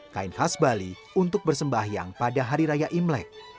kain khas bali untuk bersembahyang pada hari raya imlek